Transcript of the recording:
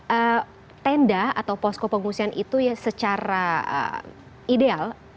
ee tenda atau posko pengusian itu ya secara ideal